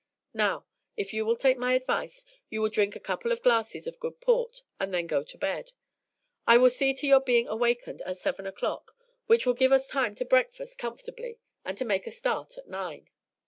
Now, if you will take my advice, you will drink a couple of glasses of good port, and then go to bed. I will see to your being awakened at seven o'clock, which will give us time to breakfast comfortably, and to make a start at nine."